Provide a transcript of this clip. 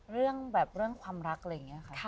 เรื่องแบบเรื่องความรักอะไรอย่างนี้ค่ะ